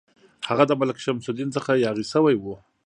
هغه د ملک شمس الدین څخه یاغي شوی وو.